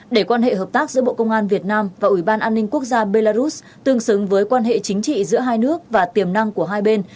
để quan hệ hợp tác giữa bộ công an việt nam và ủy ban an ninh quốc gia belarus tương xứng với quan hệ chính trị giữa hai nước và tiềm năng của hai bên